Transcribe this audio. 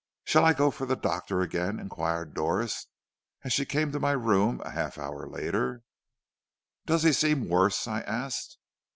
"'Shall I go for the doctor again?' inquired Doris as she came to my room a half hour later. "'Does he seem worse?' I asked.